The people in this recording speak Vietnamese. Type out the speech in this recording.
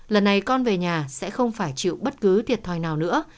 lần này con về nhà sẽ không phải chịu bất cứ thiệt thòi nào nữa